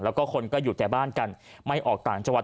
แล้วก็คนก็อยู่แต่บ้านกันไม่ออกต่างจังหวัด